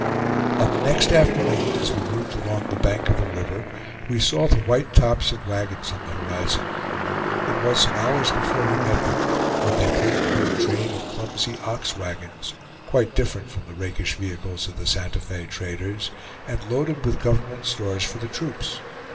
On the next afternoon, as we moved along the bank of the river, we saw the white tops of wagons on the horizon. It was some hours before we met them, when they proved to be a train of clumsy ox wagons, quite different from the rakish vehicles of the Santa Fe traders, and loaded with government stores for the troops.